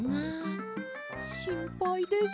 しんぱいです。